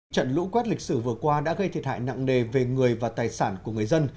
trận lũ quét lịch sử vừa qua đã gây thiệt hại nặng nề về người và tài sản của người dân